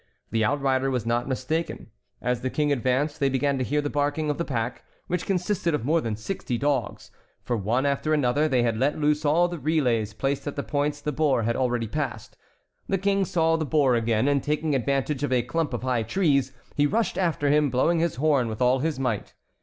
The outrider was not mistaken. As the King advanced they began to hear the barking of the pack, which consisted of more than sixty dogs, for one after another they had let loose all the relays placed at the points the boar had already passed. The King saw the boar again, and taking advantage of a clump of high trees, he rushed after him, blowing his horn with all his might.